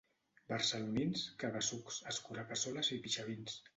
Barcelonins, caga-sucs, escuracassoles i pixavins.